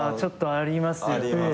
ありますね。